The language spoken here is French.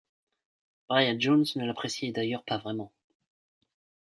Brian Jones ne l'appréciait d'ailleurs pas vraiment.